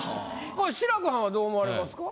これ志らくはんはどう思われますか？